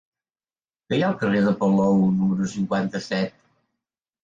Què hi ha al carrer de Palou número cinquanta-set?